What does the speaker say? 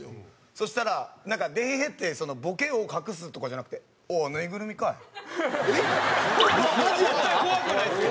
そしたらなんか「デヘヘ」ってボケを隠すとかじゃなくて「ああぬいぐるみかい」。怖くないですか？